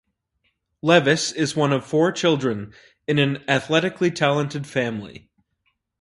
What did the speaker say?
Levis is one of four children in an athletically talented family.